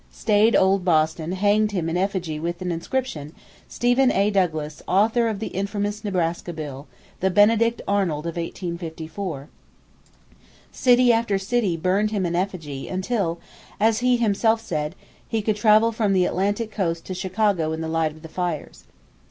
Staid old Boston hanged him in effigy with an inscription "Stephen A. Douglas, author of the infamous Nebraska bill: the Benedict Arnold of 1854." City after city burned him in effigy until, as he himself said, he could travel from the Atlantic coast to Chicago in the light of the fires.